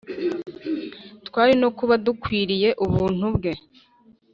twari no kuba dukwiriye ubuntu bwe